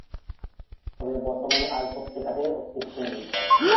তবে বর্তমানে আর পত্রিকাটির অস্তিত্ব নেই।